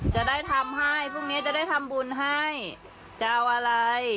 จะได้ทำให้พรุ่งนี้จะได้ทำบุญให้จะเอาอะไร